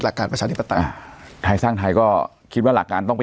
หลักการประชาธิปฏิอ่าไทยสร้างไทยก็คิดว่าหลักการต้องเป็น